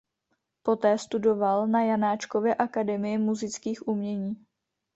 Poté studoval na Janáčkově akademii múzických umění.